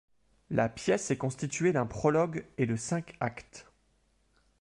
La pièce est constituée d'un prologue et de cinq actes.